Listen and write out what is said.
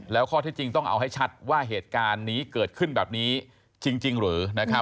แล้วข้อที่จริงต้องเอาให้ชัดว่าเหตุการณ์นี้เกิดขึ้นแบบนี้จริงหรือ